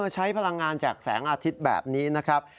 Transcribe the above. ใช้พลังงานแจกแสงอาทิตย์แบบนี้นะครับ